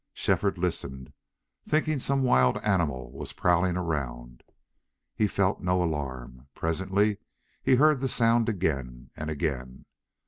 Shefford listened, thinking some wild animal was prowling around. He felt no alarm. Presently he heard the sound again, and again.